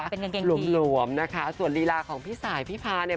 เป็นกางเกงหลวมนะคะส่วนลีลาของพี่สายพี่พาเนี่ย